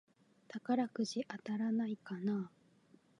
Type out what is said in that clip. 宝くじ当たらないかなぁ